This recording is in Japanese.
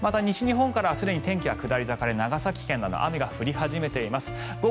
また西日本からすでに天気が下り坂で長崎県などで雨が降り始めています。